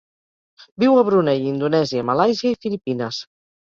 Viu a Brunei, Indonèsia, Malàisia i Filipines.